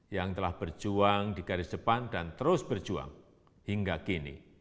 yang telah berjuang di garis depan dan terus berjuang hingga kini